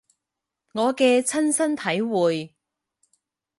我嘅親身體會